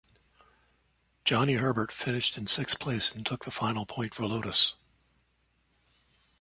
Johnny Herbert finished in sixth place and took the final point for Lotus.